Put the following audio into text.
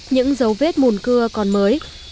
những dấu vết mùn cưa còn mới